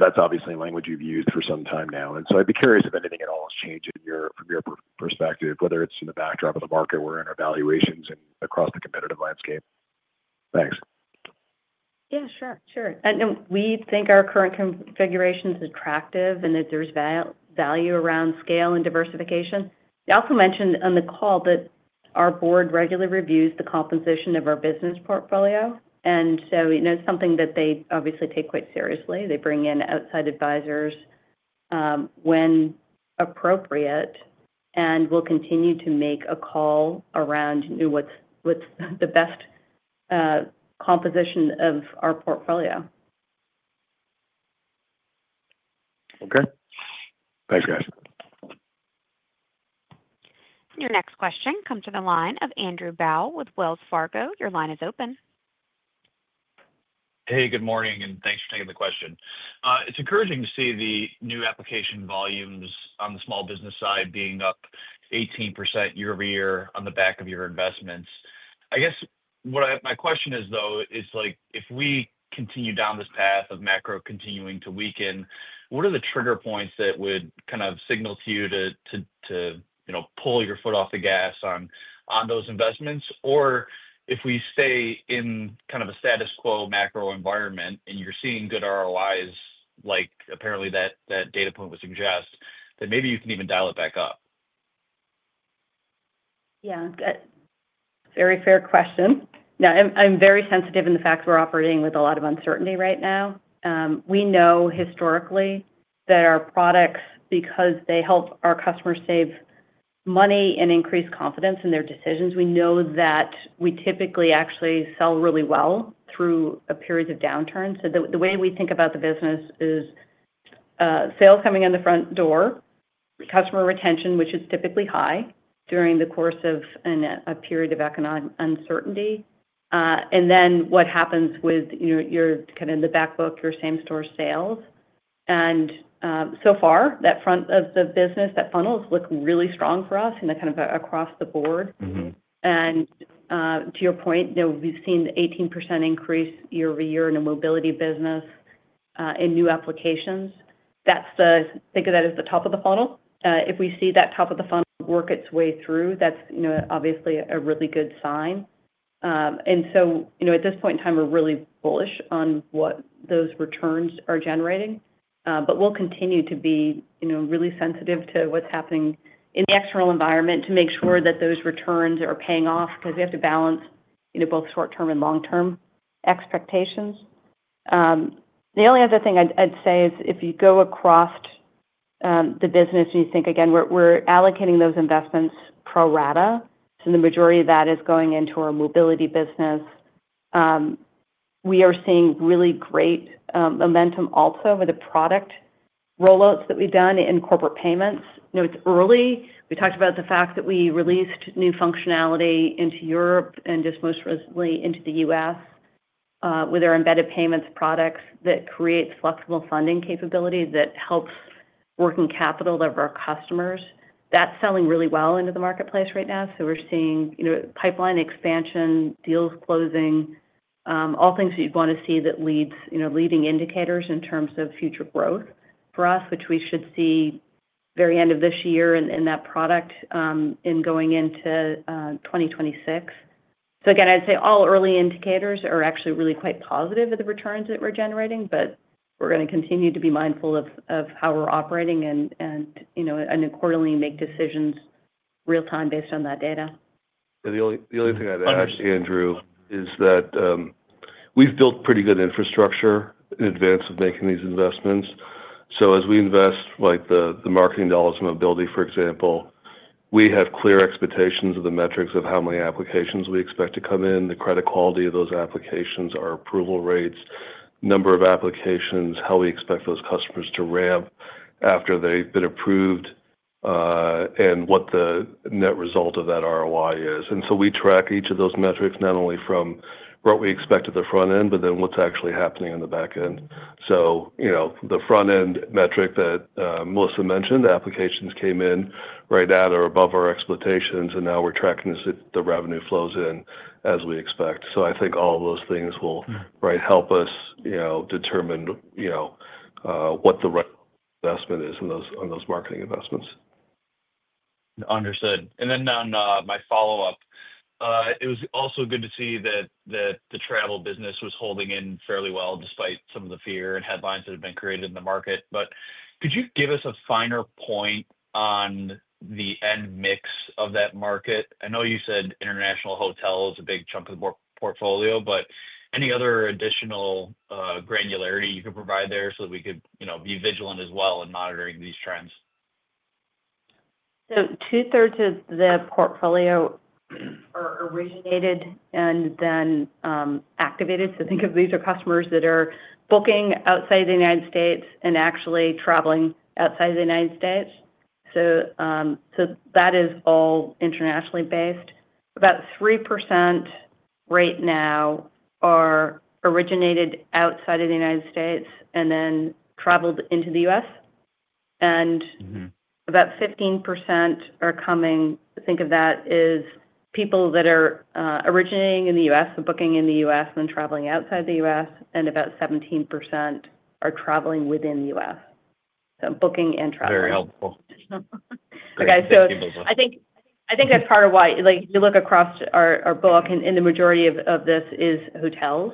[SPEAKER 9] that's obviously language you've used for some time now. I'd be curious if anything at all has changed from your perspective, whether it's in the backdrop of the market we're in or valuations and across the competitive landscape. Thanks.
[SPEAKER 3] Yeah. Sure. Sure. We think our current configuration is attractive and that there is value around scale and diversification. They also mentioned on the call that our board regularly reviews the composition of our business portfolio. It is something that they obviously take quite seriously. They bring in outside advisors when appropriate and will continue to make a call around what is the best composition of our portfolio.
[SPEAKER 9] Okay. Thanks, guys.
[SPEAKER 1] Your next question comes from the line of Andrew Bauch with Wells Fargo. Your line is open.
[SPEAKER 10] Hey, good morning, and thanks for taking the question. It is encouraging to see the new application volumes on the small business side being up 18% year-over-year on the back of your investments. I guess my question is, though, if we continue down this path of macro continuing to weaken, what are the trigger points that would kind of signal to you to pull your foot off the gas on those investments? Or if we stay in kind of a status quo macro environment and you're seeing good ROIs, like apparently that data point would suggest, then maybe you can even dial it back up.
[SPEAKER 3] Yeah. Very fair question. Now, I'm very sensitive in the fact we're operating with a lot of uncertainty right now. We know historically that our products, because they help our customers save money and increase confidence in their decisions, we know that we typically actually sell really well through a period of downturn. The way we think about the business is sales coming in the front door, customer retention, which is typically high during the course of a period of economic uncertainty. Then what happens with your kind of the back book, your same-store sales. So far, that front of the business, that funnel has looked really strong for us kind of across the board. To your point, we've seen 18% increase year-over-year in the Mobility business in new applications. Think of that as the top of the funnel. If we see that top of the funnel work its way through, that's obviously a really good sign. At this point in time, we're really bullish on what those returns are generating. We will continue to be really sensitive to what is happening in the external environment to make sure that those returns are paying off because we have to balance both short-term and long-term expectations. The only other thing I would say is if you go across the business and you think, again, we are allocating those investments pro rata, and the majority of that is going into our mobility business, we are seeing really great momentum also with the product rollouts that we have done in corporate payments. It is early. We talked about the fact that we released new functionality into Europe and just most recently into the U.S. with our embedded payments products that create flexible funding capability that helps working capital of our customers. That is selling really well into the marketplace right now. We're seeing pipeline expansion, deals closing, all things that you'd want to see that are leading indicators in terms of future growth for us, which we should see very end of this year in that product and going into 2026. Again, I'd say all early indicators are actually really quite positive of the returns that we're generating, but we're going to continue to be mindful of how we're operating and quarterly make decisions real-time based on that data.
[SPEAKER 4] The only thing I'd add, Andrew, is that we've built pretty good infrastructure in advance of making these investments. As we invest the marketing dollars in mobility, for example, we have clear expectations of the metrics of how many applications we expect to come in, the credit quality of those applications, our approval rates, number of applications, how we expect those customers to ramp after they've been approved, and what the net result of that ROI is. We track each of those metrics, not only from what we expect at the front end, but then what's actually happening on the back end. The front-end metric that Melissa mentioned, the applications came in right at or above our expectations, and now we're tracking as the revenue flows in as we expect. I think all of those things will help us determine what the right investment is on those marketing investments.
[SPEAKER 10] Understood. On my follow-up, it was also good to see that the travel business was holding in fairly well despite some of the fear and headlines that have been created in the market. Could you give us a finer point on the end mix of that market? I know you said international hotel is a big chunk of the portfolio, but any other additional granularity you could provide there so that we could be vigilant as well in monitoring these trends?
[SPEAKER 3] Two-thirds of the portfolio originated and then activated. Think of these as customers that are booking outside of the U.S. and actually traveling outside of the U.S. That is all internationally based. About 3% right now are originated outside of the U.S. and then traveled into the U.S. About 15% are coming. Think of that as people that are originating in the U.S. and booking in the U.S. and traveling outside the U.S., and about 17% are traveling within the U.S., so booking and traveling.
[SPEAKER 10] Very helpful.
[SPEAKER 3] Okay. I think that's part of why if you look across our book, and the majority of this is hotels,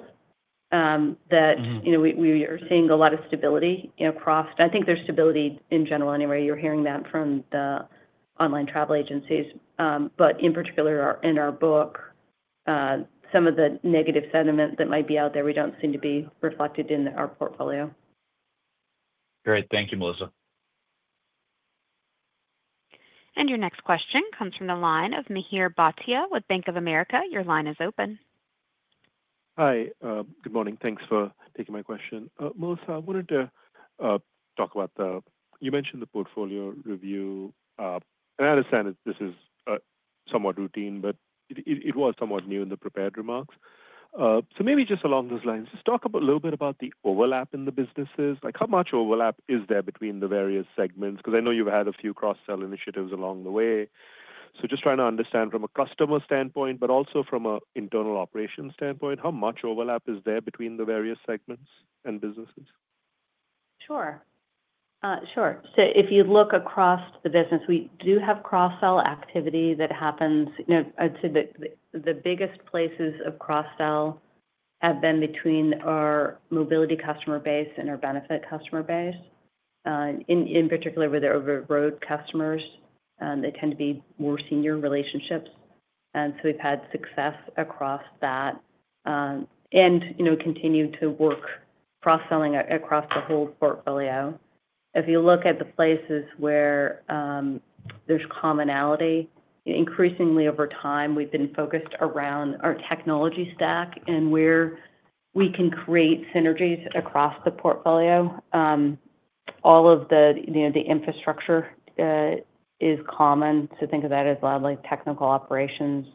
[SPEAKER 3] that we are seeing a lot of stability across. I think there's stability in general anyway. You're hearing that from the online travel agencies. In particular, in our book, some of the negative sentiment that might be out there, we don't seem to be reflected in our portfolio.
[SPEAKER 10] Great. Thank you, Melissa.
[SPEAKER 1] Your next question comes from the line of Mihir Bhatia with Bank of America. Your line is open.
[SPEAKER 11] Hi. Good morning. Thanks for taking my question. Melissa, I wanted to talk about the you mentioned the portfolio review. I understand that this is somewhat routine, but it was somewhat new in the prepared remarks. Maybe just along those lines, just talk a little bit about the overlap in the businesses. How much overlap is there between the various segments? I know you've had a few cross-sell initiatives along the way. Just trying to understand from a customer standpoint, but also from an internal operations standpoint, how much overlap is there between the various segments and businesses?
[SPEAKER 3] Sure. If you look across the business, we do have cross-sell activity that happens. I'd say the biggest places of cross-sell have been between our mobility customer base and our benefits customer base. In particular, with our over-the-road customers, they tend to be more senior relationships. We've had success across that and continue to work cross-selling across the whole portfolio. If you look at the places where there's commonality, increasingly over time, we've been focused around our technology stack and where we can create synergies across the portfolio. All of the infrastructure is common. Think of that as largely technical operations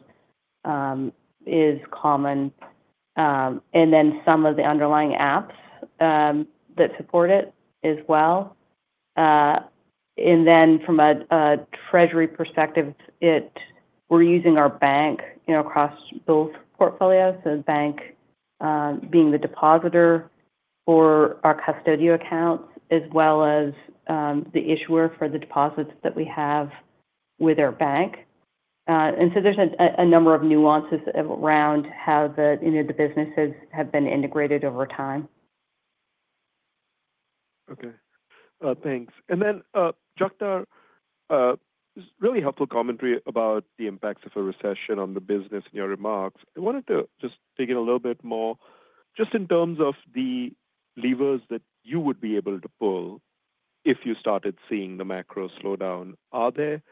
[SPEAKER 3] is common. Some of the underlying apps that support it as well. From a treasury perspective, we're using our bank across both portfolios. The bank being the depositor for our custodial accounts as well as the issuer for the deposits that we have with our bank. There's a number of nuances around how the businesses have been integrated over time.
[SPEAKER 11] Okay. Thanks. Jagtar, really helpful commentary about the impacts of a recession on the business in your remarks. I wanted to just dig in a little bit more just in terms of the levers that you would be able to pull if you started seeing the macro slowdown. Obviously,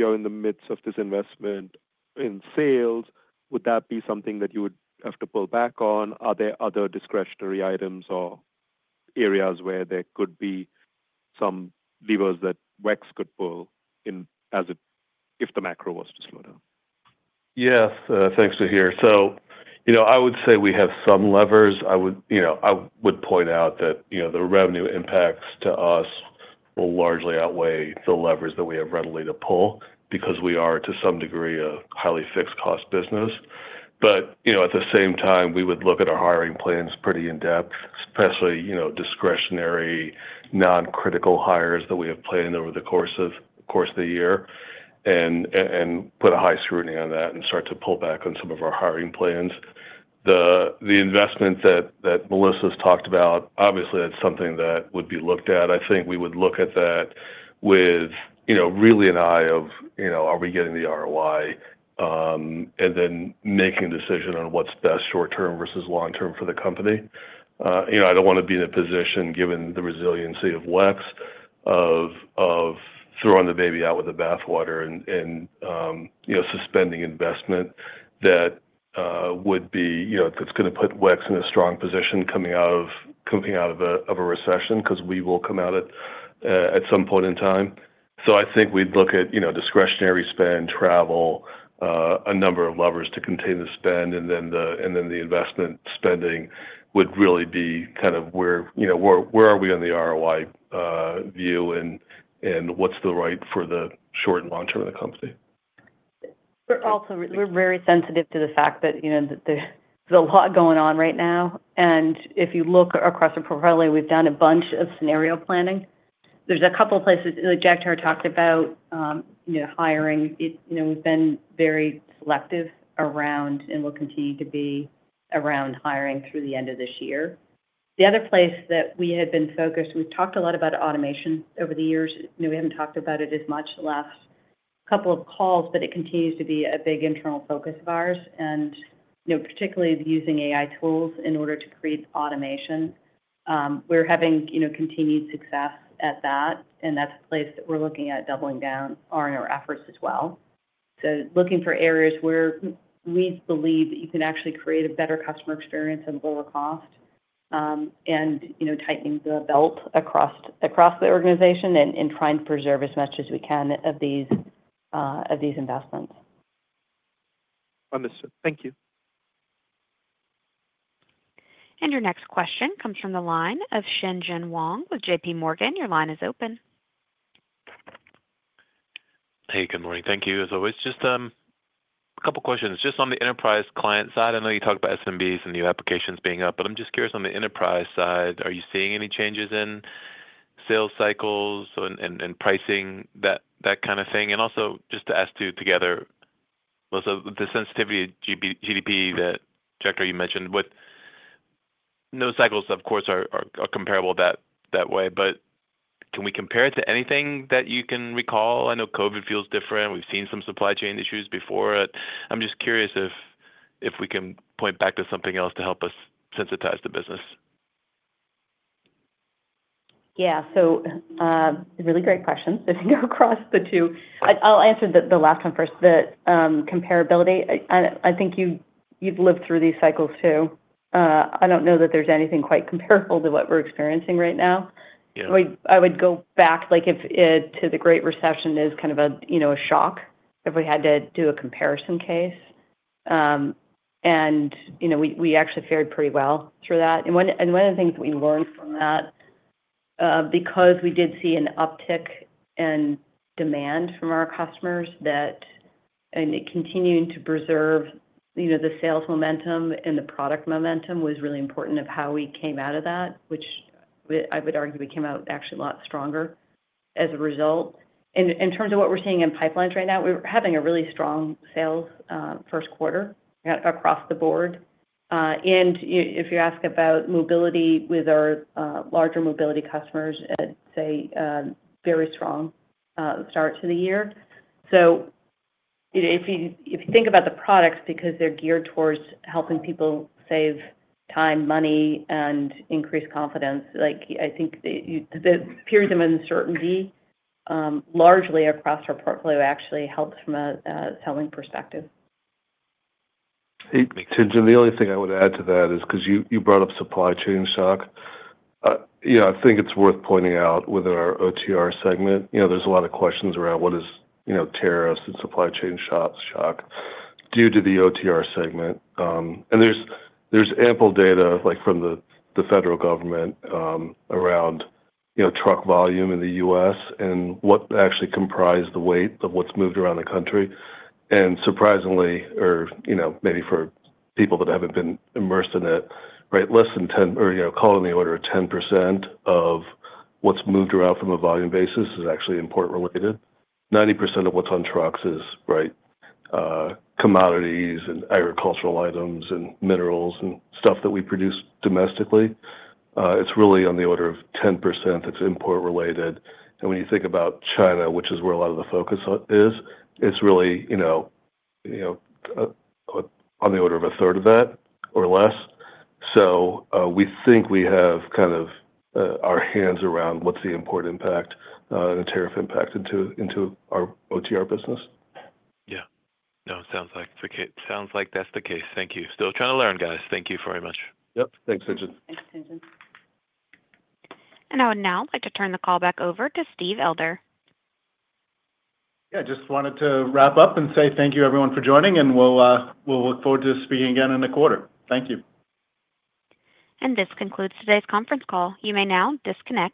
[SPEAKER 11] you're in the midst of this investment in sales. Would that be something that you would have to pull back on? Are there other discretionary items or areas where there could be some levers that WEX could pull if the macro was to slow down?
[SPEAKER 4] Yes. Thanks, Mihir. I would say we have some levers. I would point out that the revenue impacts to us will largely outweigh the levers that we have readily to pull because we are to some degree a highly fixed-cost business. At the same time, we would look at our hiring plans pretty in-depth, especially discretionary non-critical hires that we have planned over the course of the year and put a high scrutiny on that and start to pull back on some of our hiring plans. The investment that Melissa has talked about, obviously, that's something that would be looked at. I think we would look at that with really an eye of, are we getting the ROI and then making a decision on what's best short-term versus long-term for the company? I don't want to be in a position, given the resiliency of WEX, of throwing the baby out with the bathwater and suspending investment that would be that's going to put WEX in a strong position coming out of a recession because we will come out at some point in time. I think we'd look at discretionary spend, travel, a number of levers to contain the spend, and then the investment spending would really be kind of where are we on the ROI view and what's the right for the short and long-term of the company.
[SPEAKER 3] We're very sensitive to the fact that there's a lot going on right now. If you look across our portfolio, we've done a bunch of scenario planning. There's a couple of places that Jagtar talked about hiring. We've been very selective around and will continue to be around hiring through the end of this year. The other place that we had been focused, we've talked a lot about automation over the years. We have not talked about it as much the last couple of calls, but it continues to be a big internal focus of ours, and particularly using AI tools in order to create automation. We are having continued success at that, and that is a place that we are looking at doubling down on our efforts as well. Looking for areas where we believe you can actually create a better customer experience at a lower cost and tightening the belt across the organization and trying to preserve as much as we can of these investments.
[SPEAKER 11] Understood. Thank you.
[SPEAKER 1] Your next question comes from the line of Sherwin Wong with JPMorgan. Your line is open.
[SPEAKER 12] Hey, good morning. Thank you, as always. Just a couple of questions. Just on the enterprise client side, I know you talked about SMBs and new applications being up, but I'm just curious, on the enterprise side, are you seeing any changes in sales cycles and pricing, that kind of thing? Also, just to ask two together, Melissa, the sensitivity of GDP that, Jagtar, you mentioned, with no cycles, of course, are comparable that way, but can we compare it to anything that you can recall? I know COVID feels different. We've seen some supply chain issues before. I'm just curious if we can point back to something else to help us sensitize the business.
[SPEAKER 3] Yeah. Really great questions. If you go across the two, I'll answer the last one first, the comparability. I think you've lived through these cycles too. I don't know that there's anything quite comparable to what we're experiencing right now. I would go back to the Great Recession as kind of a shock if we had to do a comparison case. We actually fared pretty well through that. One of the things that we learned from that, because we did see an uptick in demand from our customers and continuing to preserve the sales momentum and the product momentum, was really important of how we came out of that, which I would argue we came out actually a lot stronger as a result. In terms of what we're seeing in pipelines right now, we were having a really strong sales first quarter across the board. If you ask about mobility with our larger mobility customers, I'd say very strong start to the year. If you think about the products because they're geared towards helping people save time, money, and increase confidence, I think the period of uncertainty largely across our portfolio actually helps from a selling perspective.
[SPEAKER 4] It makes sense. The only thing I would add to that is because you brought up supply chain shock, I think it's worth pointing out with our OTR segment. There's a lot of questions around what is tariffs and supply chain shock due to the OTR segment. There's ample data from the federal government around truck volume in the U.S. and what actually comprised the weight of what's moved around the country. Surprisingly, or maybe for people that haven't been immersed in it, less than 10 or calling the order of 10% of what's moved around from a volume basis is actually import-related. 90% of what's on trucks is, right, commodities and agricultural items and minerals and stuff that we produce domestically. It's really on the order of 10% that's import-related. When you think about China, which is where a lot of the focus is, it's really on the order of a third of that or less. We think we have kind of our hands around what's the import impact and the tariff impact into our OTR business.
[SPEAKER 12] Yeah. No, it sounds like that's the case. Thank you. Still trying to learn, guys. Thank you very much.
[SPEAKER 4] Yep. Thanks, Sherwin.
[SPEAKER 3] Thanks, Sherwin.
[SPEAKER 1] I would now like to turn the call back over to Steve Elder.
[SPEAKER 2] Yeah. Just wanted to wrap up and say thank you, everyone, for joining, and we'll look forward to speaking again in the quarter. Thank you.
[SPEAKER 1] This concludes today's conference call. You may now disconnect.